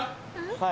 はい。